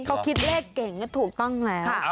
เขาคิดเลขเก่งก็ถูกต้องแล้ว